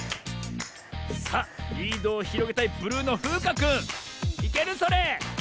さあリードをひろげたいブルーのふうかくんいけるそれ？